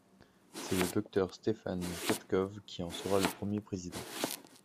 C'est le docteur Stefan Petkov qui en sera le premier président.